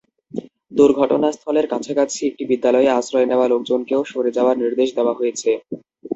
দুর্ঘটনাস্থলের কাছাকাছি একটি বিদ্যালয়ে আশ্রয় নেওয়া লোকজনকেও সরে যাওয়ার নির্দেশ দেওয়া হয়েছে।